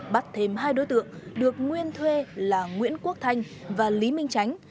bắt thêm hai đối tượng được nguyên thuê là nguyễn quốc thanh và lý minh tránh